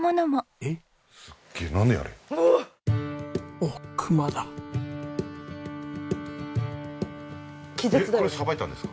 えっこれさばいたんですか？